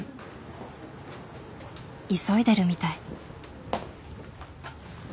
急いでるみたい。